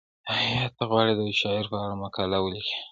ایا ته غواړې د یو شاعر په اړه مقاله ولیکې؟